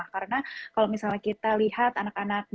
karena kalau misalnya kita lihat anak anak